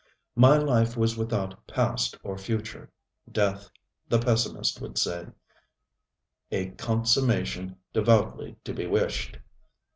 My life was without past or future; death, the pessimist would say, ŌĆ£a consummation devoutly to be wished.